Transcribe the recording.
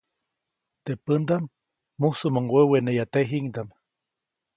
Teʼ pändaʼm mujsumuŋ weweneya tejiʼŋdaʼm.